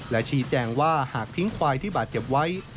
และชี้แจงว่าหากทิ้งควายที่บาดเจ็บไว้